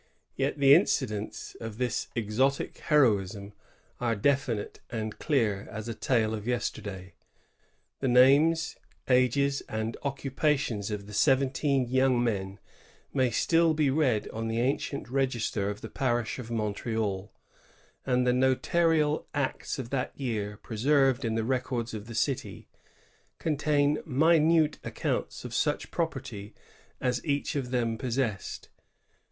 Yet the incidents of this exotic heroism are definite and clear as a tale of yesterday. The names, ages, and occupations of the seventeen young men may still be read on the ancient register of the parish of Montreal; and the notarial acts of that year, pre served in the records of the city, contain minute accounts of such property as each of them possessed.